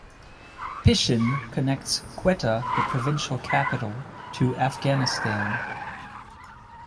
Pishin connects Quetta, the provincial capital, to Afghanistan.